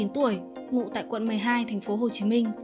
n hai mươi chín tuổi ngụ tại quận một mươi hai tp hcm